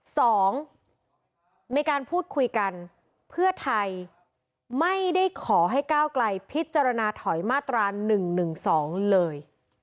สองในการพูดคุยกันเพื่อไทยไม่ได้ขอให้ก้าวไกลพิจารณาถอยมาตรา๑๑๒เลย